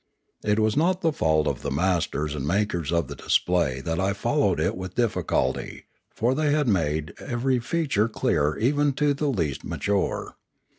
It was not the fault of the masters and makers of the display that I followed it with difficulty, for they had made every feature clear even to the least mature.